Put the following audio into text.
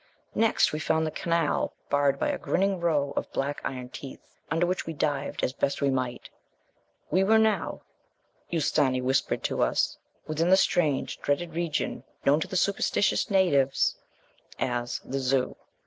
Next we found the canal barred by a grinning row of black iron teeth, under which we dived as best we might. We were now, Ustâni whispered to us, within the strange and dreaded region known to the superstitious natives as the Zû.